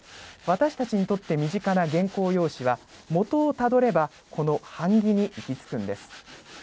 私たちにとって身近な原稿用紙は元をたどればこの版木に行き着くんです。